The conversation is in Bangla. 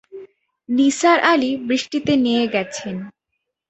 নিসার আলি বৃষ্টিতে নেয়ে গেছেন।